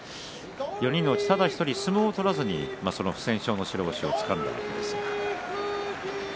４人のうちただ１人、相撲を取らずに不戦勝の白星をつかんだわけです。